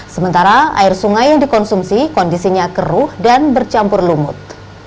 sementara air sungai yang dikonsumsi kondisinya keruh dan bercampur lumut